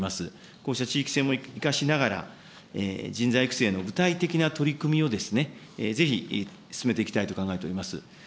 こうした地域性も生かしながら、人材育成の具体的な取り組みをぜひ進めていきたいと考えております。